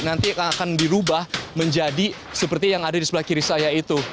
nanti akan dirubah menjadi seperti yang ada di sebelah kiri saya itu